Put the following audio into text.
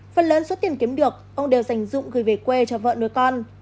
phần lớn số tiền kiếm được ông đều dành dụng gửi về quê cho vợ nuôi con